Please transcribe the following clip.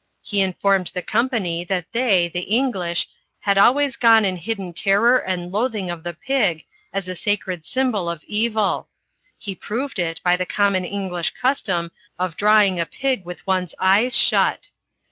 He informed the Company that they, the English, had always gone in hidden terror and loathing of the Pig, as a sacred S)mibol of evil. He proved it by the common English custom of drawing a pig with one's eyes shut.